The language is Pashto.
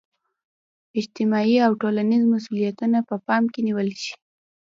اجتماعي او ټولنیز مسولیتونه په پام کې نیول شي.